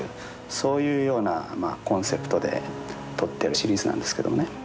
そういうようなコンセプトで撮ってるシリーズなんですけどもね。